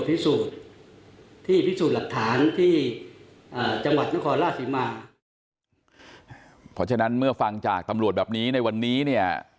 เพราะฉะนั้นเมื่อฟังจากตำรวจแบบนี้ในวันนี้เนี่ย